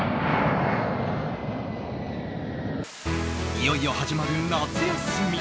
いよいよ始まる夏休み。